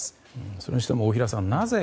それにしても大平さん